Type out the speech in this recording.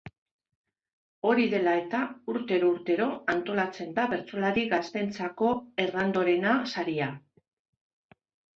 Hori dela-eta urtero-urtero antolatzen da bertsolari gazteentzako Hernandorena Saria.